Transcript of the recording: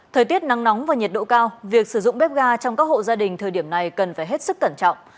thời tiết nắng nóng và nhiệt độ cao việc sử dụng bếp ga trong các hộ gia đình thời điểm này cần phải hết sức cẩn trọng